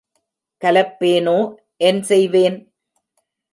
கலப்பேனோ என் செய்வேன்?